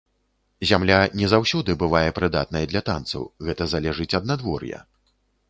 Зямля не заўсёды бывае прыдатнай для танцаў, гэта залежыць ад надвор'я.